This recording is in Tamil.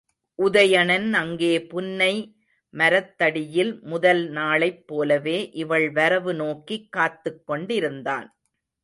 உதயணன் அங்கே புன்னை மரத்தடியில் முதல் நாளைப் போலவே இவள் வரவு நோக்கிக் காத்துக் கொண்டிருந்தான்.